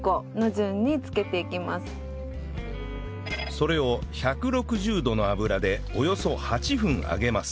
それを１６０度の油でおよそ８分揚げます